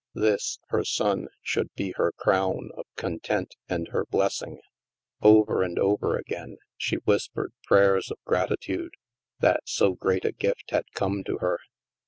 This, her son, should be her crown of content and her blessing. Over and over again, she whispered prayers of gratitude that so great a gift had come to her.